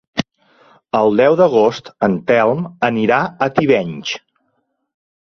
El deu d'agost en Telm anirà a Tivenys.